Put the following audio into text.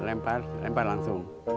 lempar lempar langsung